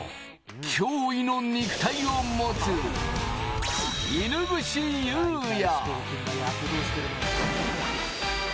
驚異の肉体を持つ、犬伏湧也。